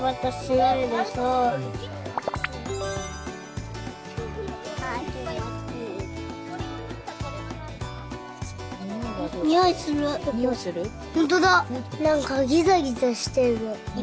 なんかギザギザしてるよ。